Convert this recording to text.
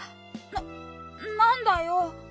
ななんだよ？